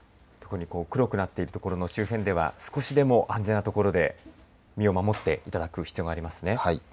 黒くなっている所の周辺では少しでも安全な所で身を守っていただく必要がありますね。